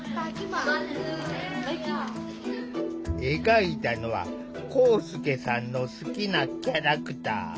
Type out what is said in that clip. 描いたのは光祐さんの好きなキャラクター。